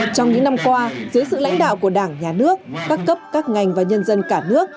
trong những năm qua dưới sự lãnh đạo của đảng nhà nước các cấp các ngành và nhân dân cả nước